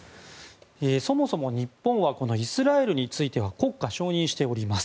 そもそも日本はこのイスラエルについては国家承認しております。